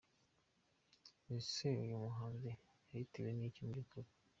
Ese uyu muhanzi yabitewe n’iki mu by’ukuri? .